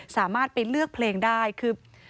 สามารถไปเลือกเพลงได้คือ